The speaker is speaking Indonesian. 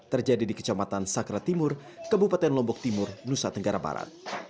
terjadi di kecamatan sakra timur kabupaten lombok timur nusa tenggara barat